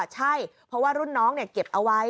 ใช่เพราะว่ารุ่นน้องเก็บเอาไว้